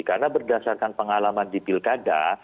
karena berdasarkan pengalaman di pilkada